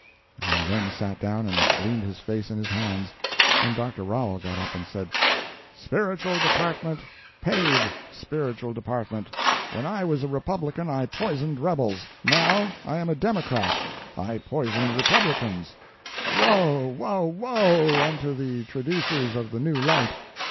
He then sat down and leaned his face in his hands, and Dr. Rowell got up and said: "Spiritual department—paid spiritual department, when I was a Republican I poisoned rebels—now I am a Democrat, I poison Republicans. Woe, woe, woe, unto the traducers of the new light!